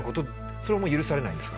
それも許されないんですか？